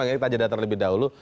kita datang lebih dahulu